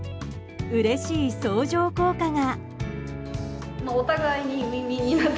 うれしい相乗効果が。